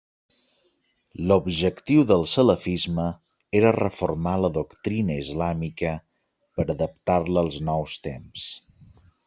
L'objectiu del salafisme era reformar la doctrina islàmica per a adaptar-la als nous temps.